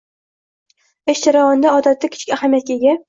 Ish jarayonida odatda kichik ahamiyatga ega